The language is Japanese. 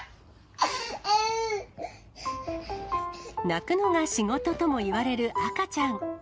泣くのが仕事ともいわれる赤ちゃん。